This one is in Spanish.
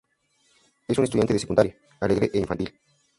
Es un estudiante de secundaria, alegre e infantil.